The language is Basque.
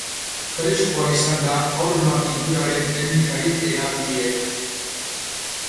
Freskoa izan da horma pinturaren teknikarik erabiliena.